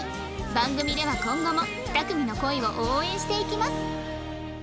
番組では今後も２組の恋を応援していきます